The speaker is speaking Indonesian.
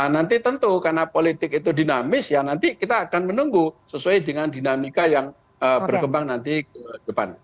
nanti tentu karena politik itu dinamis ya nanti kita akan menunggu sesuai dengan dinamika yang berkembang nanti ke depan